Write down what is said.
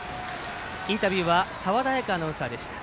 インタビューは澤田彩香アナウンサーでした。